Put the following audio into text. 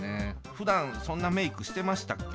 ふだんそんなメークしてましたっけ？